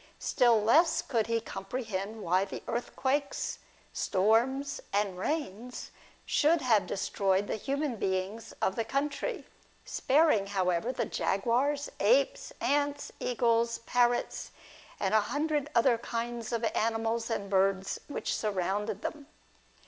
Still less could he comprehend why the earthquakes, storms, and rains should have destroyed the human beings of the country, sparing however, the jaguars, apes, ants, eagles, parrots, and a hundred other kinds of animals and birds which surrounded them.